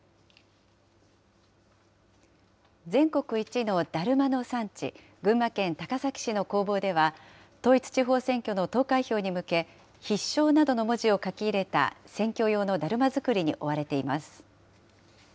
全国一のだるまの産地、群馬県高崎市の工房では、統一地方選挙の投開票に向け、必勝などの文字を書き入れた選挙用のだるま作りに追われています。